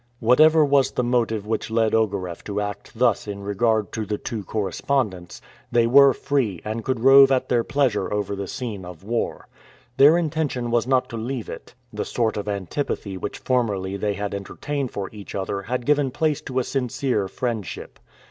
Whatever was the motive which led Ogareff to act thus in regard to the two correspondents, they were free and could rove at their pleasure over the scene of war. Their intention was not to leave it. The sort of antipathy which formerly they had entertained for each other had given place to a sincere friendship.